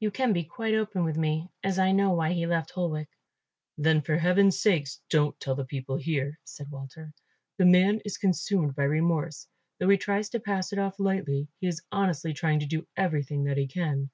You can be quite open with me, as I know why he left Holwick." "Then for heaven's sake don't tell the people here," said Walter. "The man is consumed by remorse, though he tries to pass it off lightly. He is honestly trying to do everything that he can.